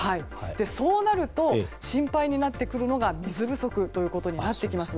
そうなると心配になってくるのが水不足となってきます。